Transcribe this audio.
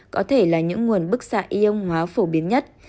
có thể là những nguồn bức xạ y âm hóa phổ biến nhất